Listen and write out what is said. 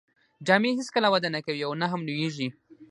جامې هیڅکله وده نه کوي او نه هم لوییږي.